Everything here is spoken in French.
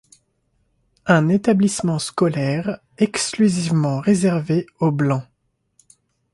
Un établissement scolaire exclusivement réservé aux Blancs.